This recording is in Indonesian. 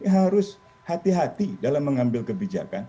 harus hati hati dalam mengambil kebijakan